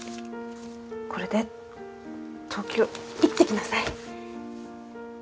これで東京行ってきなさい。